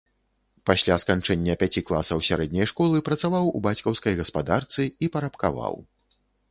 Пасля сканчэння пяці класаў сярэдняй школы працаваў у бацькаўскай гаспадарцы і парабкаваў.